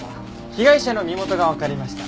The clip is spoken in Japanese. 被害者の身元がわかりました。